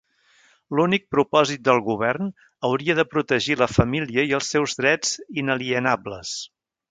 L'únic propòsit del govern hauria de protegir la família i els seus drets inalienables.